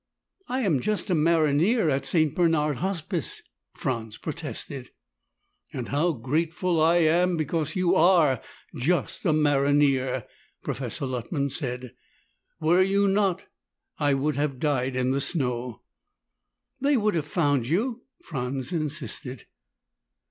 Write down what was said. "I am just a maronnier at St. Bernard Hospice," Franz protested. "And how grateful I am because you are 'just a maronnier,'" Professor Luttman said. "Were you not, I would have died in the snow." "They would have found you," Franz insisted.